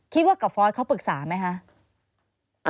คิดว่ากับฟอสเขาปรึกษาไหมฮะ